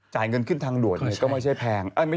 เงินขึ้นทางด่วนก็ไม่ใช่แพง